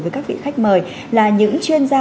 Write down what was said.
với các vị khách mời là những chuyên gia